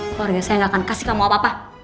keluarga saya gak akan kasih kamu apa apa